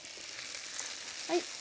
はい。